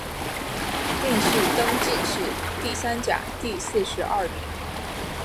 殿试登进士第三甲第四十二名。